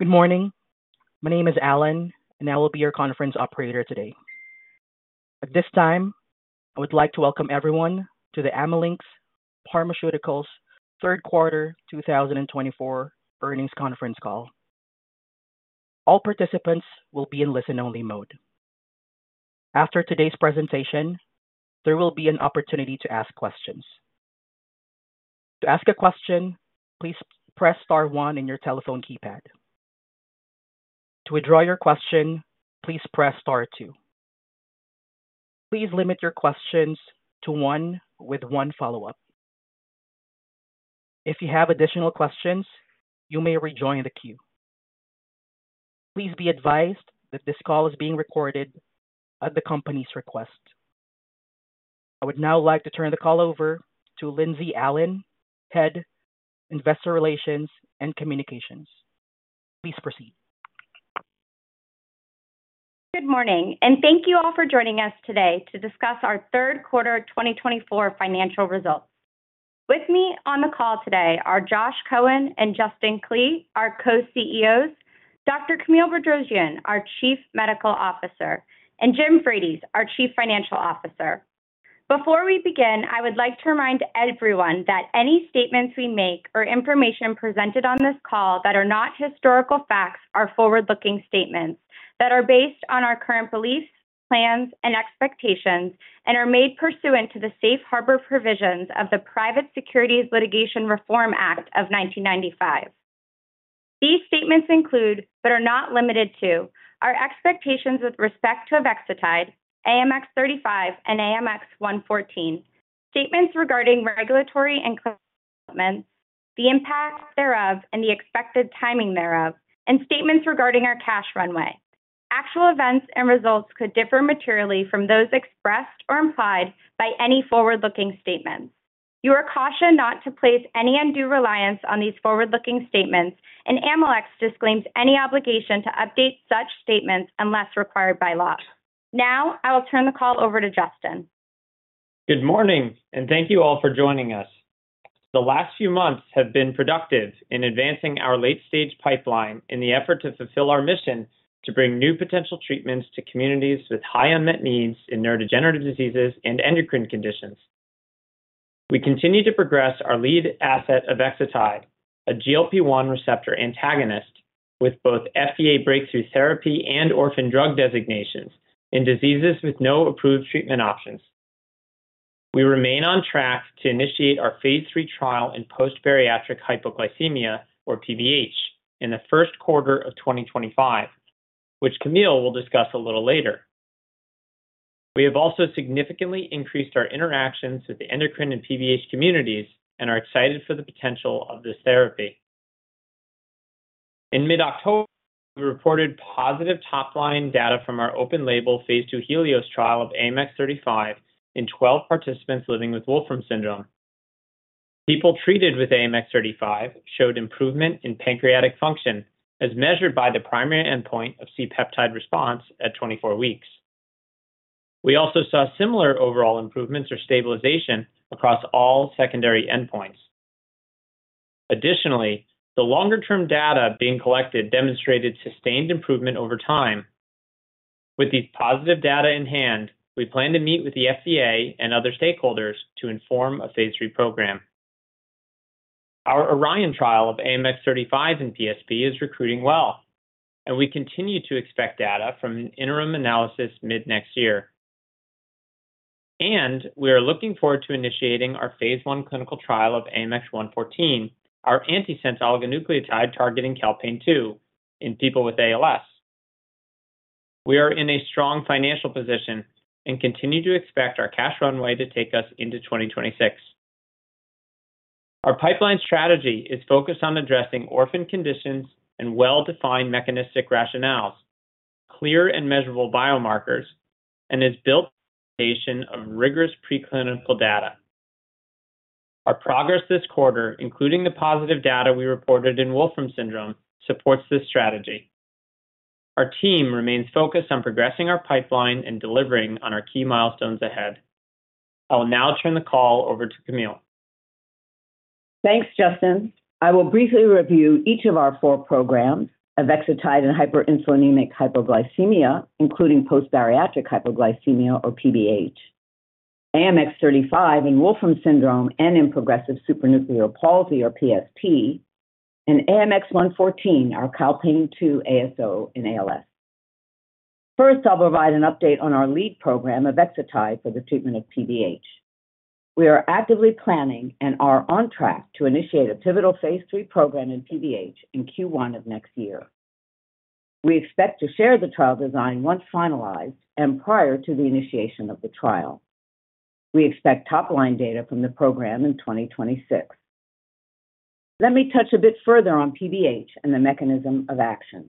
Good morning. My name is Allen, and I will be your conference operator today. At this time, I would like to welcome everyone to the Amylyx Pharmaceuticals Third Quarter 2024 Earnings conference call. All participants will be in listen-only mode. After today's presentation, there will be an opportunity to ask questions. To ask a question, please press star one in your telephone keypad. To withdraw your question, please press star two. Please limit your questions to one with one follow-up. If you have additional questions, you may rejoin the queue. Please be advised that this call is being recorded at the company's request. I would now like to turn the call over to Lindsey Allen, Head, Investor Relations and Communications. Please proceed. Good morning, and thank you all for joining us today to discuss our third quarter 2024 financial results. With me on the call today are Josh Cohen and Justin Klee, our co-CEOs, Dr. Camille Bedrosian, our Chief Medical Officer, and Jim Frates, our Chief Financial Officer. Before we begin, I would like to remind everyone that any statements we make or information presented on this call that are not historical facts are forward-looking statements that are based on our current beliefs, plans, and expectations, and are made pursuant to the safe harbor provisions of the Private Securities Litigation Reform Act of 1995. These statements include, but are not limited to, our expectations with respect to Avexitide, AMX0035, and AMX0114, statements regarding regulatory and clinical developments, the impact thereof and the expected timing thereof, and statements regarding our cash runway. Actual events and results could differ materially from those expressed or implied by any forward-looking statements. You are cautioned not to place any undue reliance on these forward-looking statements, and Amylyx disclaims any obligation to update such statements unless required by law. Now, I will turn the call over to Justin. Good morning, and thank you all for joining us. The last few months have been productive in advancing our late-stage pipeline in the effort to fulfill our mission to bring new potential treatments to communities with high unmet needs in neurodegenerative diseases and endocrine conditions. We continue to progress our lead asset, Avexitide, a GLP-1 receptor antagonist, with both FDA breakthrough therapy and orphan drug designations in diseases with no approved treatment options. We remain on track to initiate our phase III trial in post-bariatric hypoglycemia, or PBH, in the first quarter of 2025, which Camille will discuss a little later. We have also significantly increased our interactions with the endocrine and PBH communities and are excited for the potential of this therapy. In mid-October, we reported positive top-line data from our open-label phase II HELIOS trial of AMX0035 in 12 participants living with Wolfram syndrome. People treated with AMX0035 showed improvement in pancreatic function, as measured by the primary endpoint of C-peptide response at 24 weeks. We also saw similar overall improvements or stabilization across all secondary endpoints. Additionally, the longer-term data being collected demonstrated sustained improvement over time. With these positive data in hand, we plan to meet with the FDA and other stakeholders to inform a phase III program. Our ORION trial of AMX0035 in PSP is recruiting well, and we continue to expect data from an interim analysis mid-next year, and we are looking forward to initiating our phase I clinical trial of AMX0114, our antisense oligonucleotide targeting calpain-2, in people with ALS. We are in a strong financial position and continue to expect our cash runway to take us into 2026. Our pipeline strategy is focused on addressing orphan conditions and well-defined mechanistic rationales, clear and measurable biomarkers, and is built on the foundation of rigorous preclinical data. Our progress this quarter, including the positive data we reported in Wolfram syndrome, supports this strategy. Our team remains focused on progressing our pipeline and delivering on our key milestones ahead. I will now turn the call over to Camille. Thanks, Justin. I will briefly review each of our four programs: Avexitide in hyperinsulinemic hypoglycemia, including post-bariatric hypoglycemia, or PBH; AMX0035 in Wolfram syndrome and in progressive supranuclear palsy, or PSP; and AMX0114, our calpain-2 ASO in ALS. First, I'll provide an update on our lead program, Avexitide, for the treatment of PBH. We are actively planning and are on track to initiate a pivotal phase III program in PBH in Q1 of next year. We expect to share the trial design once finalized and prior to the initiation of the trial. We expect top-line data from the program in 2026. Let me touch a bit further on PBH and the mechanism of action.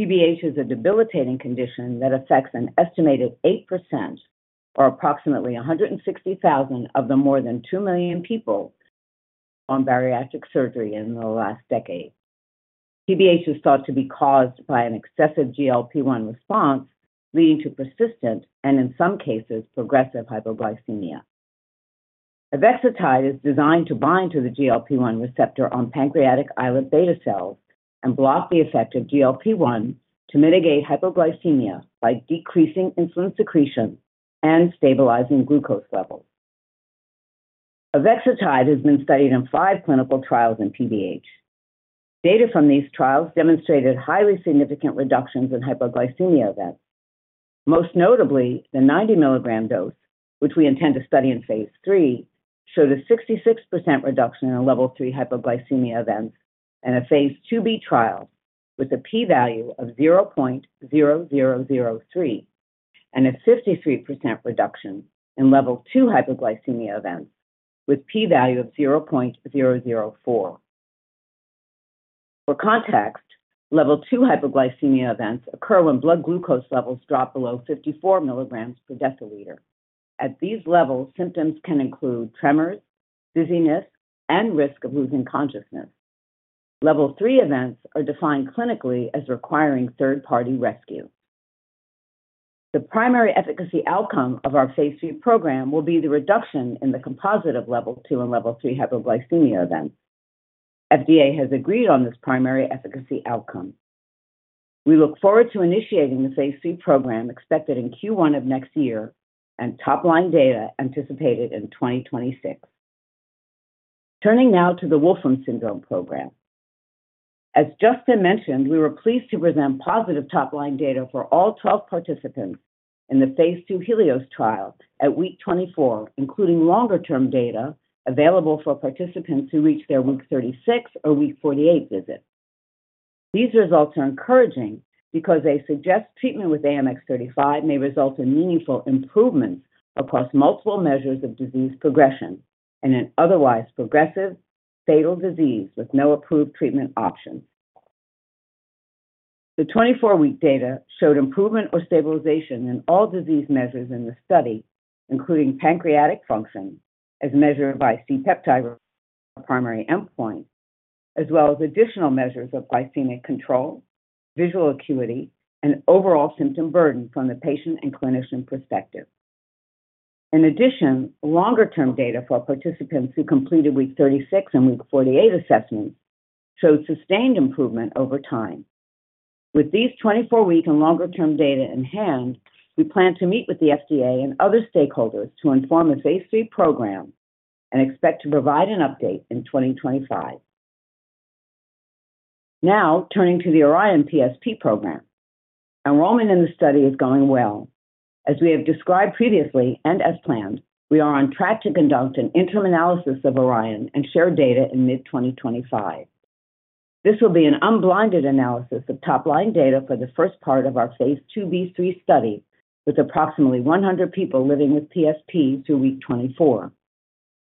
PBH is a debilitating condition that affects an estimated 8%, or approximately 160,000 of the more than 2 million people, on bariatric surgery in the last decade. PBH is thought to be caused by an excessive GLP-1 response, leading to persistent and, in some cases, progressive hypoglycemia. Avexitide is designed to bind to the GLP-1 receptor on pancreatic islet beta cells and block the effect of GLP-1 to mitigate hypoglycemia by decreasing insulin secretion and stabilizing glucose levels. Avexitide has been studied in five clinical trials in PBH. Data from these trials demonstrated highly significant reductions in hypoglycemia events. Most notably, the 90 mg dose, which we intend to study in phase III, showed a 66% reduction in level 3 hypoglycemia events in a phase II-B trial with a p-value of 0.0003 and a 53% reduction in level 2 hypoglycemia events with a p-value of 0.004. For context, level 2 hypoglycemia events occur when blood glucose levels drop below 54 mg/dL. At these levels, symptoms can include tremors, dizziness, and risk of losing consciousness. Level 3 events are defined clinically as requiring third-party rescue. The primary efficacy outcome of our phase III program will be the reduction in the composite of level 2 and level 3 hypoglycemia events. The FDA has agreed on this primary efficacy outcome. We look forward to initiating the phase III program expected in Q1 of next year and top-line data anticipated in 2026. Turning now to the Wolfram syndrome program. As Justin mentioned, we were pleased to present positive top-line data for all 12 participants in the phase II HELIOS trial at week 24, including longer-term data available for participants who reach their week 36 or week 48 visit. These results are encouraging because they suggest treatment with AMX0035 may result in meaningful improvements across multiple measures of disease progression and in otherwise progressive, fatal disease with no approved treatment options. The 24-week data showed improvement or stabilization in all disease measures in the study, including pancreatic function as measured by C-peptide as our primary endpoint, as well as additional measures of glycemic control, visual acuity, and overall symptom burden from the patient and clinician perspective. In addition, longer-term data for participants who completed week 36 and week 48 assessments showed sustained improvement over time. With these 24-week and longer-term data in hand, we plan to meet with the FDA and other stakeholders to inform the phase III program and expect to provide an update in 2025. Now, turning to the ORION PSP program. Enrollment in the study is going well. As we have described previously and as planned, we are on track to conduct an interim analysis of ORION and share data in mid-2025. This will be an unblinded analysis of top-line data for the first part of our phase II-B/III study with approximately 100 people living with PSP through week 24.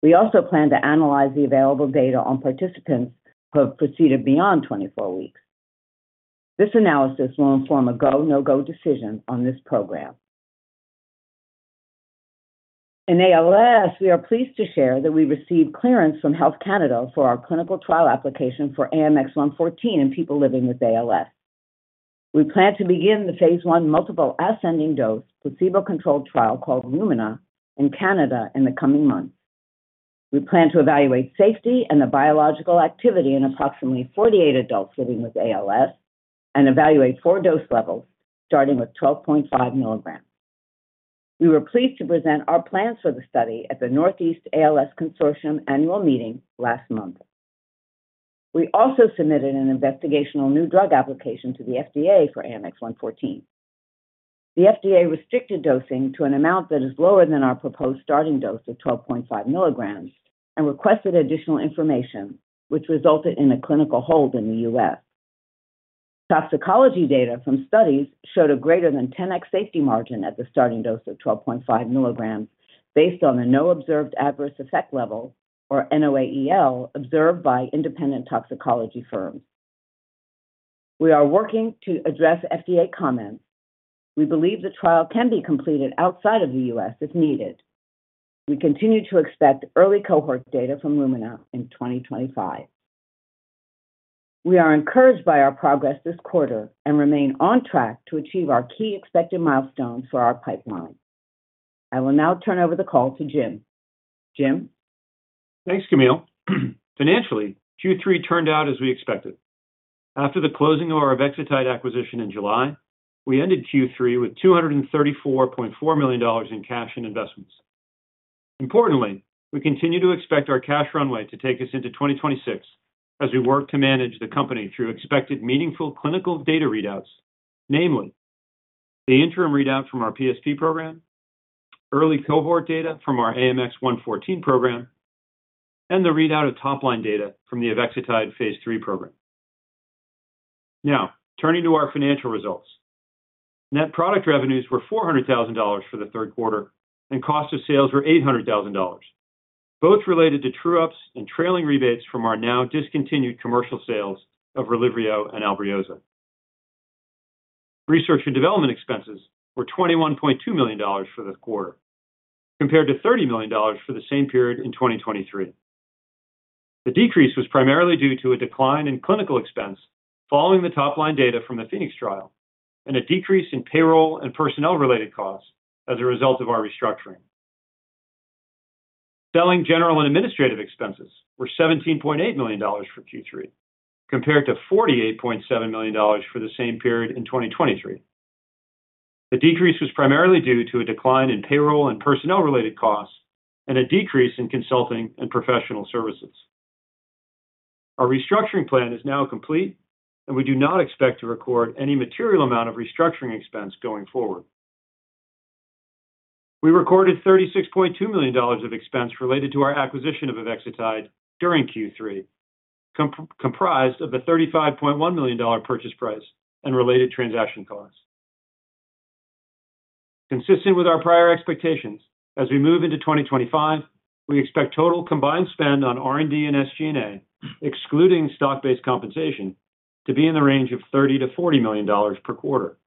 We also plan to analyze the available data on participants who have proceeded beyond 24 weeks. This analysis will inform a go/no-go decision on this program. In ALS, we are pleased to share that we received clearance from Health Canada for our clinical trial application for AMX0114 in people living with ALS. We plan to begin the phase I multiple ascending dose placebo-controlled trial called LUMINA in Canada in the coming months. We plan to evaluate safety and the biological activity in approximately 48 adults living with ALS and evaluate four dose levels starting with 12.5 mg. We were pleased to present our plans for the study at the Northeast ALS Consortium annual meeting last month. We also submitted an Investigational New Drug application to the FDA for AMX0114. The FDA restricted dosing to an amount that is lower than our proposed starting dose of 12.5 mg and requested additional information, which resulted in a clinical hold in the U.S. Toxicology data from studies showed a greater than 10x safety margin at the starting dose of 12.5 mg based on the no-observed-adverse-effect level, or NOAEL, observed by independent toxicology firms. We are working to address FDA comments. We believe the trial can be completed outside of the U.S. if needed. We continue to expect early cohort data from LUMINA in 2025. We are encouraged by our progress this quarter and remain on track to achieve our key expected milestones for our pipeline. I will now turn over the call to Jim. Jim? Thanks, Camille. Financially, Q3 turned out as we expected. After the closing of our Avexitide acquisition in July, we ended Q3 with $234.4 million in cash and investments. Importantly, we continue to expect our cash runway to take us into 2026 as we work to manage the company through expected meaningful clinical data readouts, namely the interim readout from our PSP program, early cohort data from our AMX0114 program, and the readout of top-line data from the Avexitide phase III program. Now, turning to our financial results. Net product revenues were $400,000 for the third quarter, and cost of sales were $800,000, both related to true-ups and trailing rebates from our now discontinued commercial sales of Relyvrio and Albrioza. Research and development expenses were $21.2 million for the quarter, compared to $30 million for the same period in 2023. The decrease was primarily due to a decline in clinical expense following the top-line data from the PHOENIX trial and a decrease in payroll and personnel-related costs as a result of our restructuring. Selling general and administrative expenses were $17.8 million for Q3, compared to $48.7 million for the same period in 2023. The decrease was primarily due to a decline in payroll and personnel-related costs and a decrease in consulting and professional services. Our restructuring plan is now complete, and we do not expect to record any material amount of restructuring expense going forward. We recorded $36.2 million of expense related to our acquisition of Avexitide during Q3, comprised of the $35.1 million purchase price and related transaction costs. Consistent with our prior expectations, as we move into 2025, we expect total combined spend on R&D and SG&A, excluding stock-based compensation, to be in the range of $30-$40 million per quarter.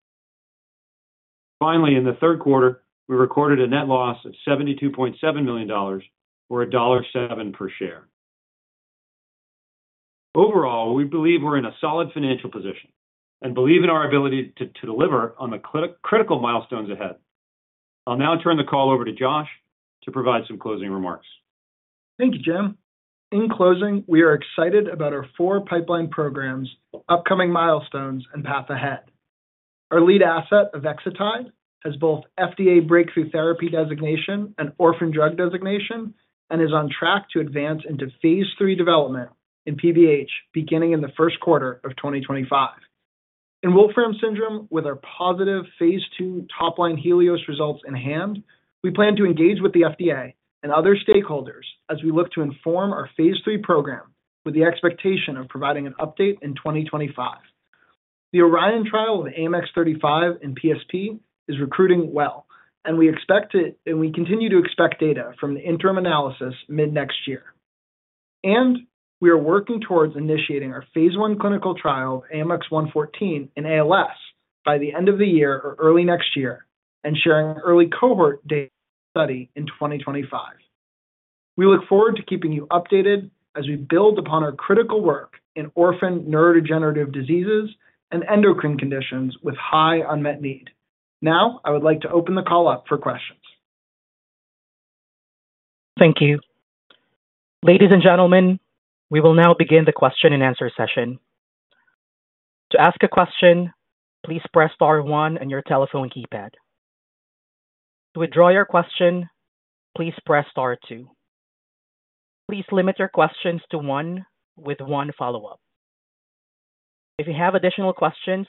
Finally, in the third quarter, we recorded a net loss of $72.7 million, or $1.07 per share. Overall, we believe we're in a solid financial position and believe in our ability to deliver on the critical milestones ahead. I'll now turn the call over to Josh to provide some closing remarks. Thank you, Jim. In closing, we are excited about our four pipeline programs, upcoming milestones, and path ahead. Our lead asset, Avexitide, has both FDA breakthrough therapy designation and orphan drug designation and is on track to advance into phase III development in PBH beginning in the first quarter of 2025. In Wolfram syndrome, with our positive phase II top-line HELIOS results in hand, we plan to engage with the FDA and other stakeholders as we look to inform our phase III program with the expectation of providing an update in 2025. The ORION trial of AMX0035 in PSP is recruiting well, and we continue to expect data from the interim analysis mid-next year, and we are working towards initiating our phase I clinical trial of AMX0114 in ALS by the end of the year or early next year and sharing early cohort data study in 2025. We look forward to keeping you updated as we build upon our critical work in orphan neurodegenerative diseases and endocrine conditions with high unmet need. Now, I would like to open the call up for questions. Thank you. Ladies and gentlemen, we will now begin the question-and-answer session. To ask a question, please press star one on your telephone keypad. To withdraw your question, please press star two. Please limit your questions to one with one follow-up. If you have additional questions,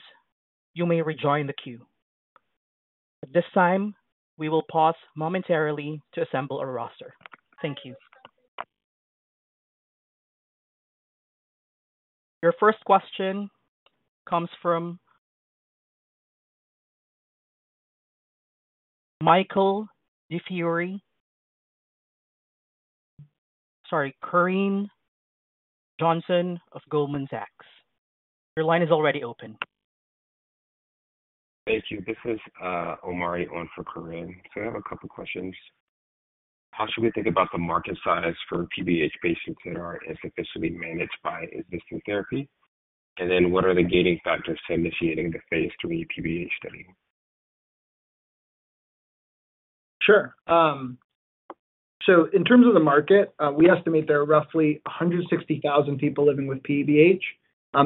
you may rejoin the queue. At this time, we will pause momentarily to assemble a roster. Thank you. Your first question comes from Corinne Johnson of Goldman Sachs. Your line is already open. Thank you. This is Omari for Corinne. So I have a couple of questions. How should we think about the market size for PBH patients that aren't as efficiently managed by existing therapy? And then what are the gating factors to initiating the phase III PBH study? Sure. So in terms of the market, we estimate there are roughly 160,000 people living with PBH.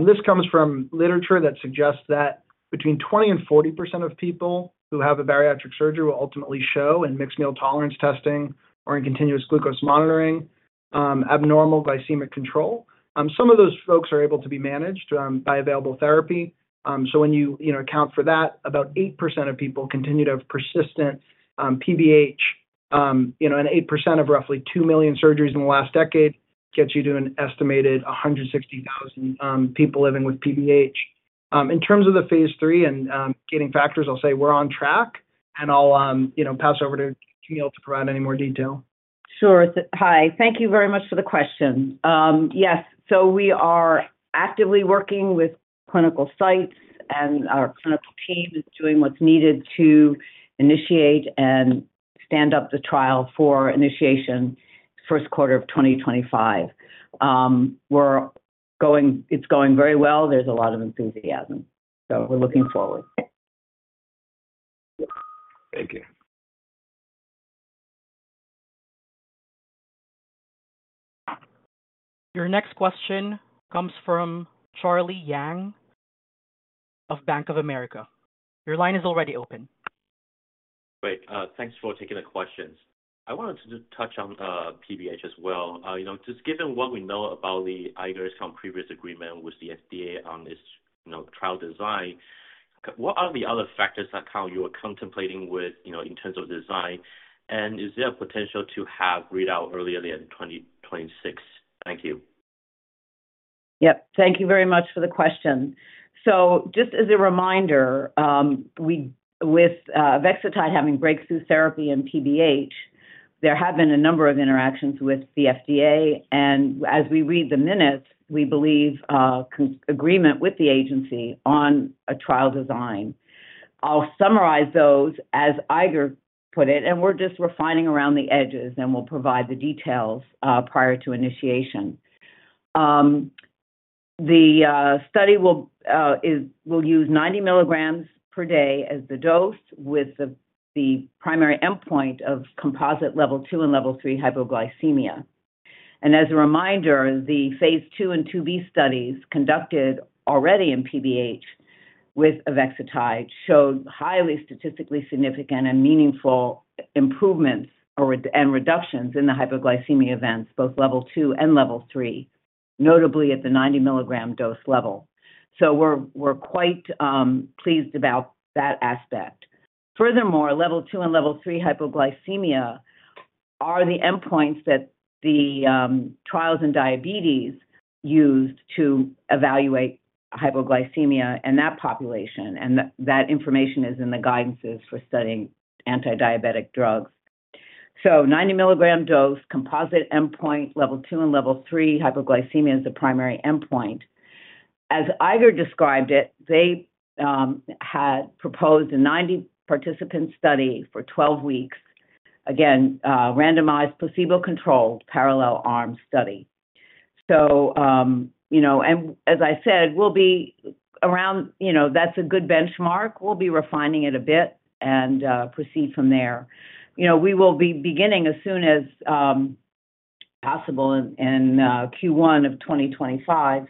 This comes from literature that suggests that between 20% and 40% of people who have a bariatric surgery will ultimately show in mixed meal tolerance testing or in continuous glucose monitoring abnormal glycemic control. Some of those folks are able to be managed by available therapy. So when you account for that, about 8% of people continue to have persistent PBH, and 8% of roughly 2 million surgeries in the last decade gets you to an estimated 160,000 people living with PBH. In terms of the phase III and gating factors, I'll say we're on track, and I'll pass over to Camille to provide any more detail. Sure. Hi. Thank you very much for the question. Yes. So we are actively working with clinical sites, and our clinical team is doing what's needed to initiate and stand up the trial for initiation the first quarter of 2025. It's going very well. There's a lot of enthusiasm. So we're looking forward. Thank you. Your next question comes from Charlie Yang of Bank of America. Your line is already open. Great. Thanks for taking the questions. I wanted to touch on PBH as well. Just given what we know about the Eiger BioPharmaceuticals' previous agreement with the FDA on its trial design, what are the other factors that you are contemplating within terms of design, and is there a potential to have readout earlier in 2026? Thank you. Yep. Thank you very much for the question. So just as a reminder, with Avexitide having breakthrough therapy in PBH, there have been a number of interactions with the FDA. And as we read the minutes, we believe agreement with the agency on a trial design. I'll summarize those as Eiger put it, and we're just refining around the edges, and we'll provide the details prior to initiation. The study will use 90 milligrams per day as the dose with the primary endpoint of composite level 2 and level 3 hypoglycemia. And as a reminder, the phase II and IIB studies conducted already in PBH with Avexitide showed highly statistically significant and meaningful improvements and reductions in the hypoglycemia events, both level 2 and level 3, notably at the 90 milligram dose level. So we're quite pleased about that aspect. Furthermore, level 2 and level 3 hypoglycemia are the endpoints that the trials in diabetes used to evaluate hypoglycemia in that population, and that information is in the guidances for studying antidiabetic drugs. So 90 milligram dose, composite endpoint, level 2 and level 3 hypoglycemia is the primary endpoint. As Eiger described it, they had proposed a 90-participant study for 12 weeks, again, randomized placebo-controlled parallel arm study. And as I said, we'll be around that's a good benchmark. We'll be refining it a bit and proceed from there. We will be beginning as soon as possible in Q1 of 2025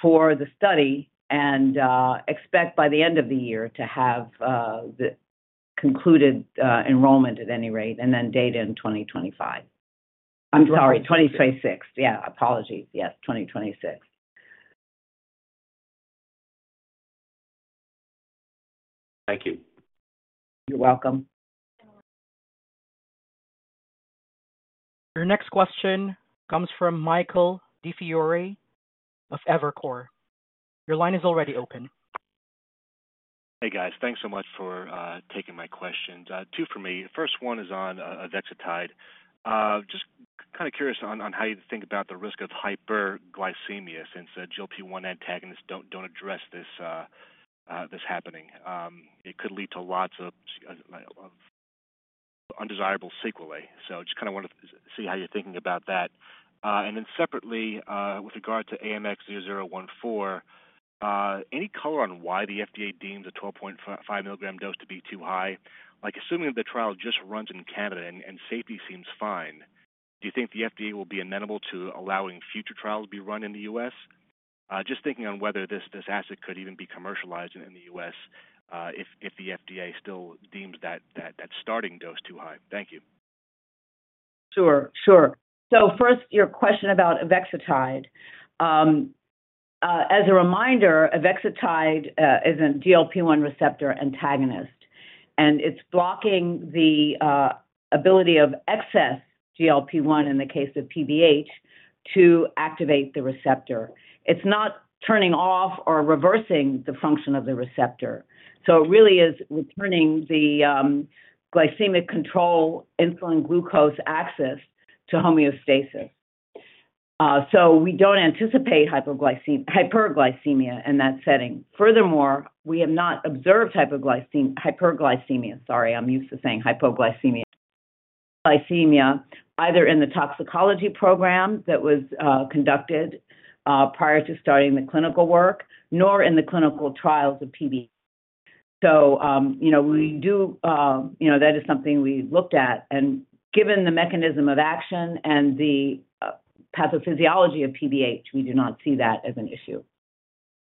for the study and expect by the end of the year to have the concluded enrollment at any rate, and then data in 2025. I'm sorry, 2026. Yeah. Apologies. Yes, 2026. Thank you. You're welcome. Your next question comes from Michael DiFiore of Evercore. Your line is already open. Hey, guys. Thanks so much for taking my questions. Two for me. First one is on Avexitide. Just kind of curious on how you think about the risk of hyperglycemia since GLP-1 antagonists don't address this happening. It could lead to lots of undesirable sequelae. So just kind of wanted to see how you're thinking about that. And then separately, with regard to AMX0114, any color on why the FDA deems a 12.5 milligram dose to be too high? Assuming that the trial just runs in Canada and safety seems fine, do you think the FDA will be amenable to allowing future trials to be run in the U.S.? Just thinking on whether this asset could even be commercialized in the U.S. if the FDA still deems that starting dose too high. Thank you. Sure. Sure. So first, your question about Avexitide. As a reminder, Avexitide is a GLP-1 receptor antagonist, and it's blocking the ability of excess GLP-1 in the case of PBH to activate the receptor. It's not turning off or reversing the function of the receptor. So it really is returning the glycemic control insulin glucose axis to homeostasis. So we don't anticipate hyperglycemia in that setting. Furthermore, we have not observed hyperglycemia. Sorry, I'm used to saying hypoglycemia, either in the toxicology program that was conducted prior to starting the clinical work, nor in the clinical trials of PBH. So we do. That is something we looked at. And given the mechanism of action and the pathophysiology of PBH, we do not see that as an issue.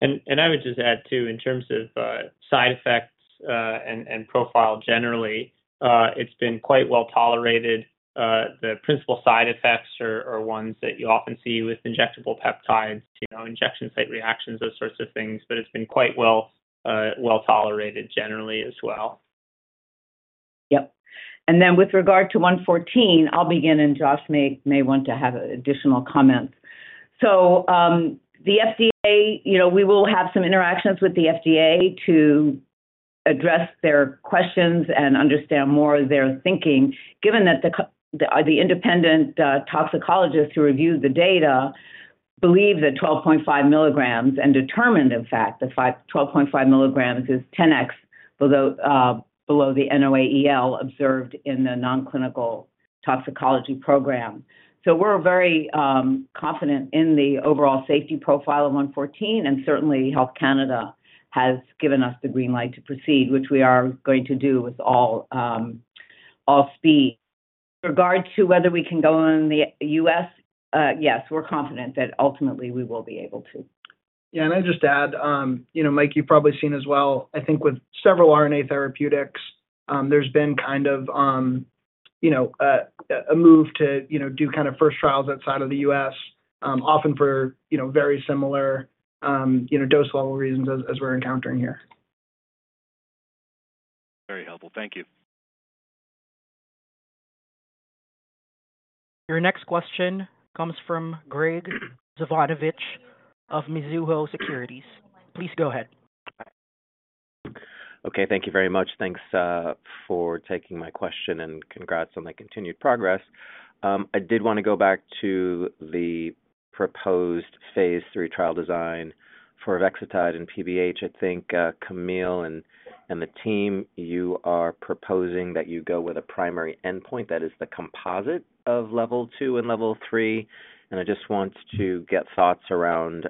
And I would just add too, in terms of side effects and profile generally, it's been quite well tolerated. The principal side effects are ones that you often see with injectable peptides, injection site reactions, those sorts of things, but it's been quite well tolerated generally as well. Yep, and then with regard to 114, I'll begin, and Josh may want to have additional comments, so the FDA, we will have some interactions with the FDA to address their questions and understand more of their thinking, given that the independent toxicologist who reviewed the data believed that 12.5 mg and determined, in fact, that 12.5 mg is 10x below the NOAEL observed in the nonclinical toxicology program, so we're very confident in the overall safety profile of 114, and certainly Health Canada has given us the green light to proceed, which we are going to do with all speed. With regard to whether we can go in the U.S., yes, we're confident that ultimately we will be able to. Yeah. And I'd just add, Mike, you've probably seen as well. I think with several RNA therapeutics, there's been kind of a move to do kind of first trials outside of the U.S., often for very similar dose-level reasons as we're encountering here. Very helpful. Thank you. Your next question comes from Graig Suvannavejh of Mizuho Securities. Please go ahead. Okay. Thank you very much. Thanks for taking my question and congrats on the continued progress. I did want to go back to the proposed phase III trial design for Avexitide in PBH. I think, Camille and the team, you are proposing that you go with a primary endpoint that is the composite of level 2 and level 3, and I just want to get thoughts around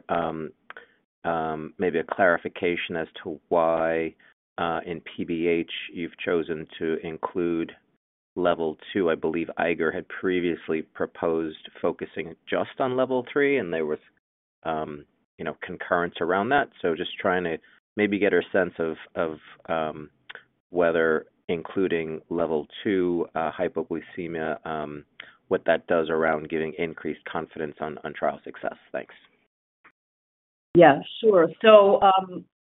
maybe a clarification as to why in PBH you've chosen to include level 2. I believe Eiger had previously proposed focusing just on level 3, and there were concurrence around that, so just trying to maybe get a sense of whether including level 2 hypoglycemia, what that does around giving increased confidence on trial success. Thanks. Yeah. Sure.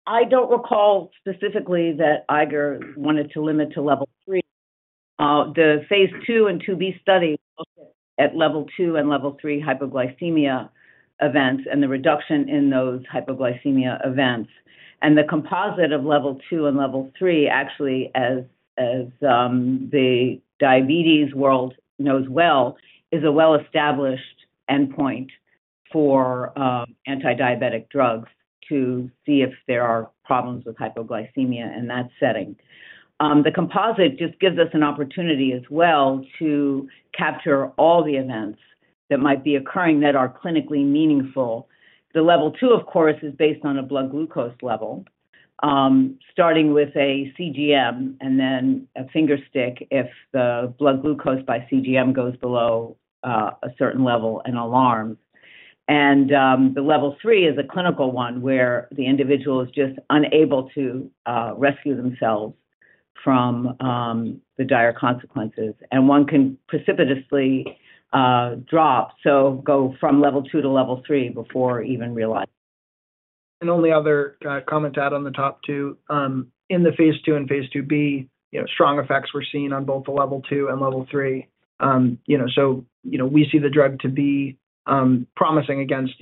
I don't recall specifically that Eiger wanted to limit to level 3. The phase II and II-B study looked at level 2 and level 3 hypoglycemia events and the reduction in those hypoglycemia events. The composite of level 2 and level 3, actually, as the diabetes world knows well, is a well-established endpoint for antidiabetic drugs to see if there are problems with hypoglycemia in that setting. The composite just gives us an opportunity as well to capture all the events that might be occurring that are clinically meaningful. The level 2, of course, is based on a blood glucose level, starting with a CGM and then a fingerstick if the blood glucose by CGM goes below a certain level and alarms. The level 3 is a clinical one where the individual is just unable to rescue themselves from the dire consequences. One can precipitously drop, so go from level 2 to level 3 before even realizing it. And only other comment to add on the top two. In the phase II and phase II-B, strong effects were seen on both the level 2 and level 3. So we see the drug to be promising against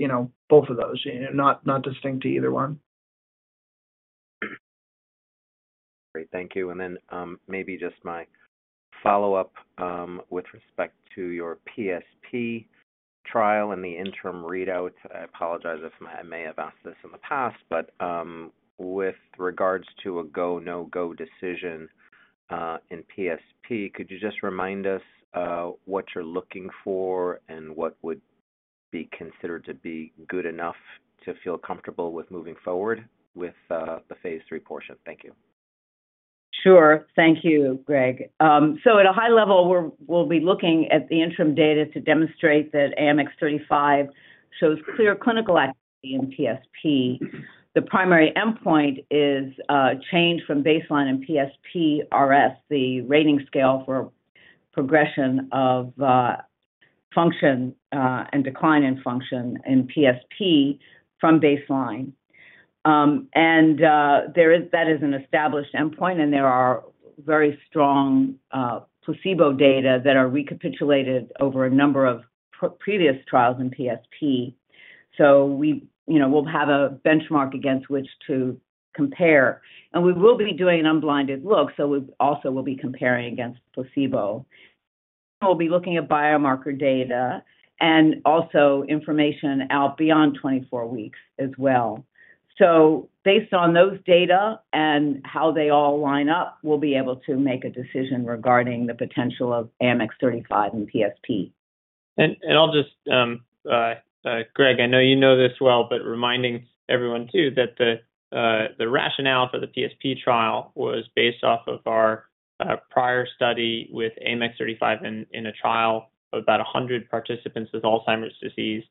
both of those, not distinct to either one. Great. Thank you. And then maybe just my follow-up with respect to your PSP trial and the interim readout. I apologize if I may have asked this in the past, but with regards to a go/no-go decision in PSP, could you just remind us what you're looking for and what would be considered to be good enough to feel comfortable with moving forward with the phase III portion? Thank you. Sure. Thank you, Graig. So at a high level, we'll be looking at the interim data to demonstrate that AMX0035 shows clear clinical activity in PSP. The primary endpoint is change from baseline in PSPRS, the rating scale for progression of function and decline in function in PSP from baseline. And that is an established endpoint, and there are very strong placebo data that are recapitulated over a number of previous trials in PSP. So we'll have a benchmark against which to compare. And we will be doing an unblinded look, so we also will be comparing against placebo. We'll be looking at biomarker data and also information out beyond 24 weeks as well. So based on those data and how they all line up, we'll be able to make a decision regarding the potential of AMX0035 in PSP. Graig, I know you know this well, but reminding everyone too that the rationale for the PSP trial was based off of our prior study with AMX0035 in a trial of about 100 participants with Alzheimer's disease.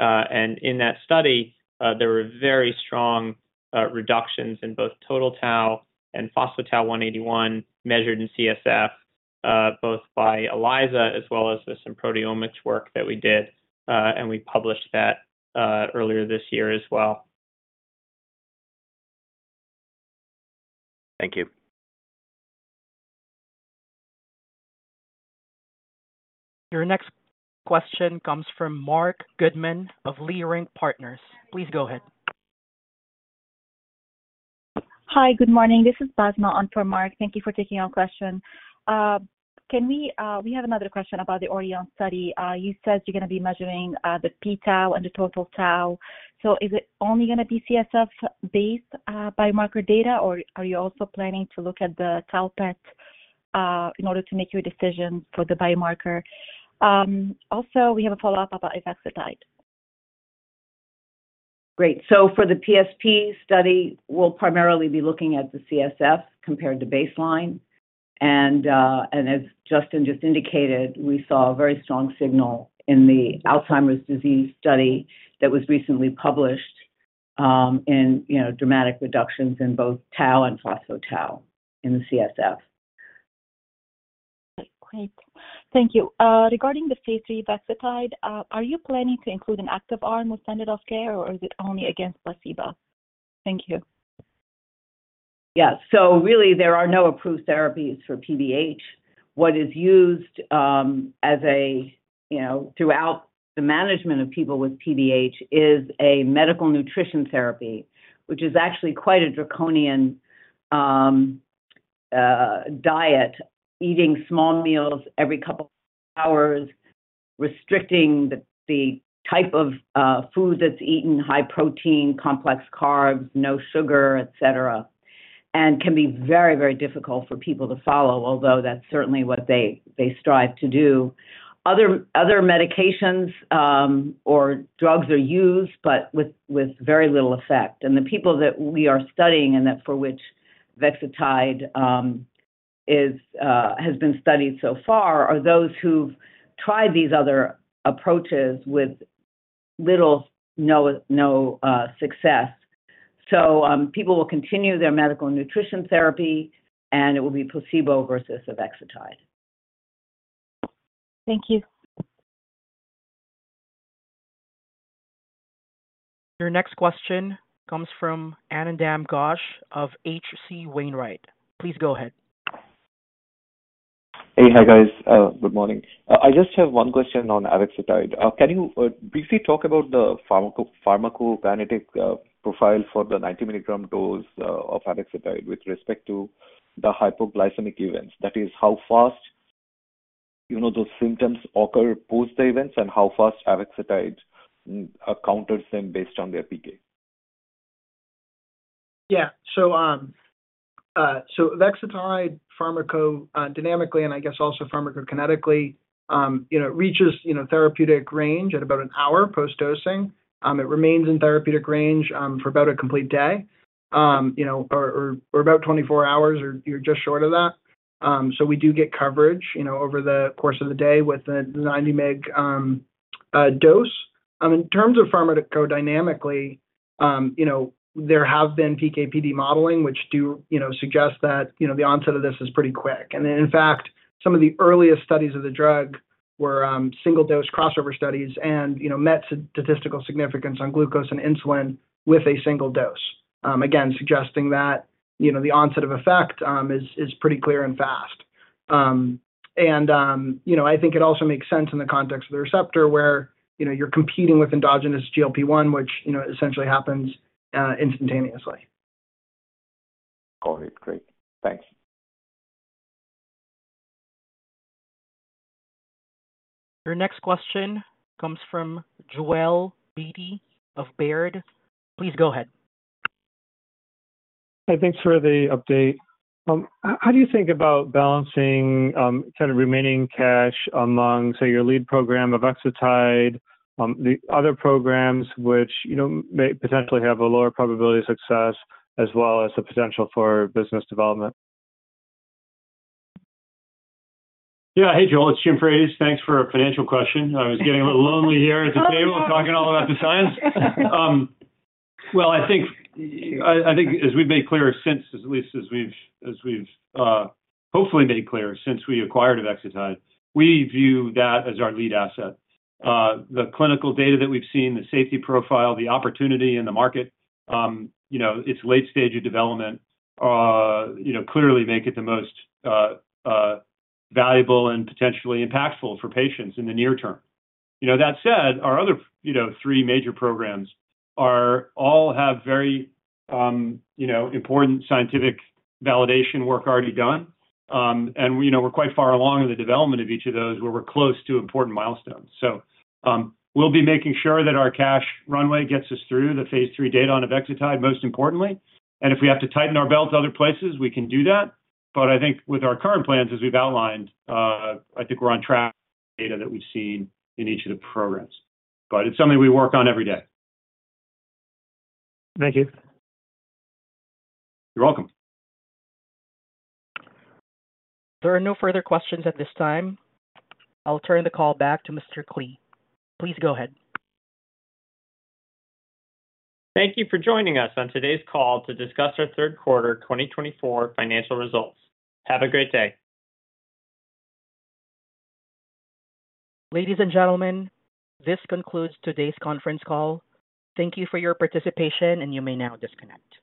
In that study, there were very strong reductions in both total tau and phospho-tau 181 measured in CSF, both by ELISA as well as with some proteomics work that we did, and we published that earlier this year as well. Thank you. Your next question comes from Marc Goodman of Leerink Partners. Please go ahead. Hi, good morning. This is Basma on for Marc. Thank you for taking our question. We have another question about the ORION study. You said you're going to be measuring the p-tau and the total tau. So is it only going to be CSF-based biomarker data, or are you also planning to look at the tau PET in order to make your decision for the biomarker? Also, we have a follow-up about Avexitide. Great. So for the PSP study, we'll primarily be looking at the CSF compared to baseline. And as Justin just indicated, we saw a very strong signal in the Alzheimer's disease study that was recently published in dramatic reductions in both tau and phospho-tau in the CSF. Great. Thank you. Regarding the phase III Avexitide, are you planning to include an active arm or standard of care, or is it only against placebo? Thank you. Yeah. So really, there are no approved therapies for PBH. What is used throughout the management of people with PBH is a medical nutrition therapy, which is actually quite a draconian diet, eating small meals every couple of hours, restricting the type of food that's eaten, high protein, complex carbs, no sugar, etc., and can be very, very difficult for people to follow, although that's certainly what they strive to do. Other medications or drugs are used, but with very little effect, and the people that we are studying and for which Avexitide has been studied so far are those who've tried these other approaches with little to no success, so people will continue their medical nutrition therapy, and it will be placebo versus Avexitide. Thank you. Your next question comes from Ananda Ghosh of H.C. Wainwright. Please go ahead. Hey, hi guys. Good morning. I just have one question on Avexitide. Can you briefly talk about the pharmacokinetic profile for the 90 mg dose of Avexitide with respect to the hypoglycemic events? That is, how fast those symptoms occur post the events and how fast Avexitide counters them based on their PK? Yeah. So Avexitide pharmacodynamically and I guess also pharmacokinetically reaches therapeutic range at about an hour post-dosing. It remains in therapeutic range for about a complete day or about 24 hours or you're just short of that. So we do get coverage over the course of the day with the 90 mg dose. In terms of pharmacodynamics, there have been PK/PD modeling, which do suggest that the onset of this is pretty quick. And in fact, some of the earliest studies of the drug were single-dose crossover studies and met statistical significance on glucose and insulin with a single dose, again, suggesting that the onset of effect is pretty clear and fast. And I think it also makes sense in the context of the receptor where you're competing with endogenous GLP-1, which essentially happens instantaneously. All right. Great. Thanks. Your next question comes from Joel Beatty of Baird. Please go ahead. Hi. Thanks for the update. How do you think about balancing kind of remaining cash among, say, your lead program, Avexitide, the other programs which may potentially have a lower probability of success as well as the potential for business development? Yeah. Hey, Joel. It's Jim Frates. Thanks for a financial question. I was getting a little lonely here at the table talking all about the science. Well, I think as we've made clearer since, at least as we've hopefully made clearer since we acquired Avexitide, we view that as our lead asset. The clinical data that we've seen, the safety profile, the opportunity in the market, its late stage of development clearly make it the most valuable and potentially impactful for patients in the near term. That said, our other three major programs all have very important scientific validation work already done. And we're quite far along in the development of each of those where we're close to important milestones. So we'll be making sure that our cash runway gets us through the phase III data on Avexitide, most importantly. And if we have to tighten our belt to other places, we can do that. But I think with our current plans, as we've outlined, I think we're on track with the data that we've seen in each of the programs. But it's something we work on every day. Thank you. You're welcome. There are no further questions at this time. I'll turn the call back to Mr. Klee. Please go ahead. Thank you for joining us on today's call to discuss our third quarter 2024 financial results. Have a great day. Ladies and gentlemen, this concludes today's conference call. Thank you for your participation, and you may now disconnect.